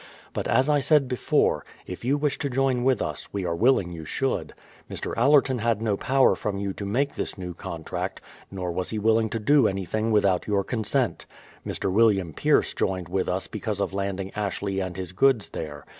But as I said before, if you wish to join with us, we are willing you should. Mr. Allerton had no power from you to make this new contract, nor was he willing to do anything without your consent. Mr. William Pierce joined with us because of landing Ashley and his goods there.